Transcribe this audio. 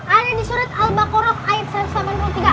ada di surat al baqarah ayat satu ratus delapan puluh tiga